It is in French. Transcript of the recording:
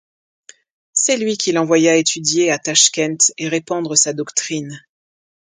C'est lui qui l'envoya étudier à Tachkent et répandre sa doctrine.